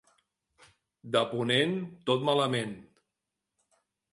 De ponent, tot malament.